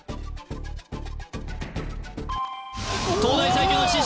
東大最強の知識